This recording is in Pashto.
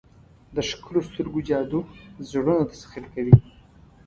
د ښکلو سترګو جادو زړونه تسخیر کوي.